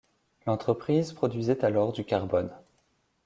L’entreprise produisait alors du carbone.